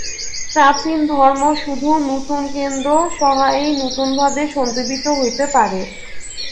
প্রাচীন ধর্ম শুধু নূতন কেন্দ্র-সহায়েই নূতনভাবে সঞ্জীবিত হইতে পারে।